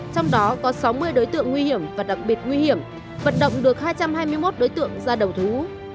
trong đó có sáu mươi đối tượng nguy hiểm và đặc biệt nguy hiểm vận động được hai trăm hai mươi một đối tượng ra đầu thú